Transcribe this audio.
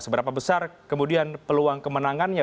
seberapa besar kemudian peluang kemenangannya